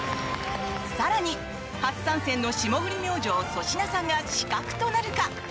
更に初参戦の霜降り明星、粗品さんが刺客となるか？